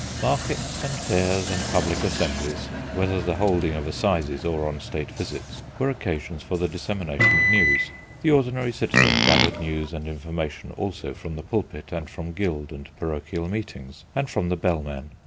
Markets and fairs and public assemblies, whether the holding of assizes or on State visits, were occasions for the dissemination of news. The ordinary citizen gathered news and information also from the pulpit and from guild and parochial meetings, and from the bellman.